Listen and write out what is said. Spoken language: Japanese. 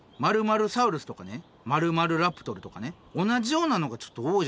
○サウルスとかね○○ラプトルとかね同じようなのがちょっと多いじゃないですか。